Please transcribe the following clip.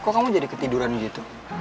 kok kamu jadi ketiduran gitu